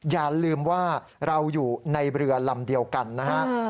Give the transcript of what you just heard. อย่าลืมว่าเราอยู่ในเรือลำเดียวกันนะฮะ